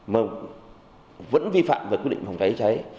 mà vẫn vi phạm về quy định phòng cháy cháy